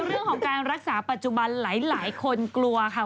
เรื่องของการรักษาปัจจุบันหลายคนกลัวค่ะ